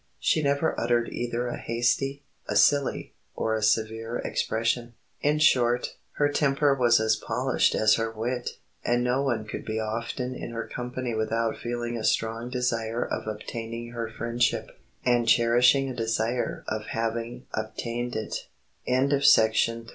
She never uttered either a hasty, a silly, or a severe expression. In short, her temper was as polished as her wit; and no one could be often in her company without feeling a strong desire of obtaining her friendship, and cherishing a desire of having obtained i